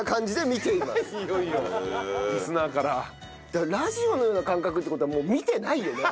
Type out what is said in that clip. だからラジオのような感覚って事はもう見てないよね。